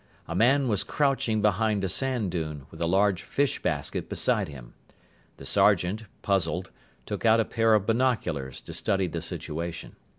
A man was crouching behind a sand dune, with a large fish basket beside him. The sergeant, puzzled, took out a pair of binoculars to study the situation.